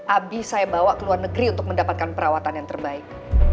abi saya bawa ke luar negeri untuk mendapatkan perawatan yang terbaik